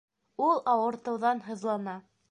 Ул ауыртыуҙан һыҙлана